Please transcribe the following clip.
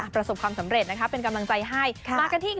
ประสบความสำเร็จเป็นกำลังใจให้